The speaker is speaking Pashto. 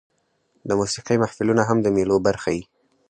د موسیقۍ محفلونه هم د مېلو برخه يي.